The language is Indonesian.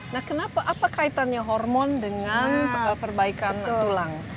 nah kenapa apa kaitannya hormon dengan perbaikan tulang